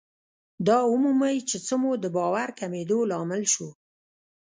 دا ومومئ چې څه مو د باور کمېدو لامل شو.